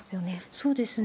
そうですね。